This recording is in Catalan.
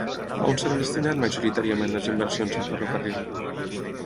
On s'han destinat majoritàriament les inversions en ferrocarril?